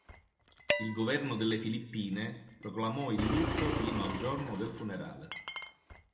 Il governo delle Filippine proclamò il lutto fino al giorno del funerale.